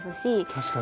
確かに。